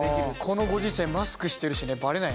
このご時世マスクしてるしねバレない。